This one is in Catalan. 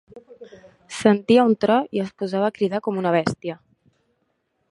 Sentia un tro i es posava a cridar com una bèstia.